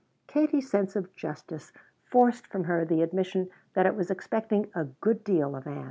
Katie's sense of justice forced from her the admission that it was expecting a good deal of Ann.